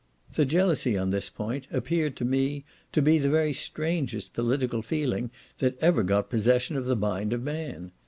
The jealousy on this point appeared to me to be the very strangest political feeling that ever got possession of the mind of man.